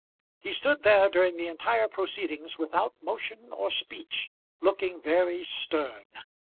He stood there during the entire proceedings without motion or speech, looking very stern.